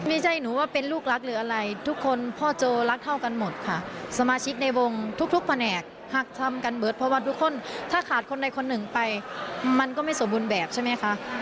ไม่ใช่หนูว่าเป็นลูกรักหรืออะไรทุกคนพ่อโจรักเท่ากันหมดค่ะสมาชิกในวงทุกแผนกหากทำกันเบิร์ตเพราะว่าทุกคนถ้าขาดคนใดคนหนึ่งไปมันก็ไม่สมบูรณ์แบบใช่ไหมคะ